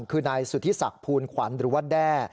คือนายสุธิศักดิ์ภูลขวัญหรือว่าแด้